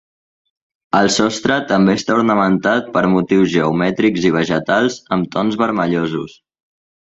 El sostre també està ornamentat per motius geomètrics i vegetals amb tons vermellosos.